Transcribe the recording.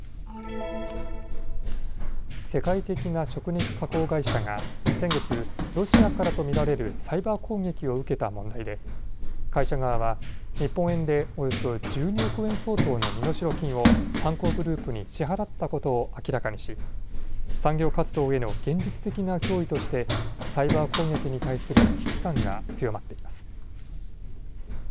世界的な食肉加工会社が先月、ロシアからと見られるサイバー攻撃を受けた問題で会社側は日本円でおよそ１２億円相当の身代金を犯行グループに支払ったことを明らかにし産業活動への現実的な脅威としてサイバー攻撃に対する危機感が強まっています。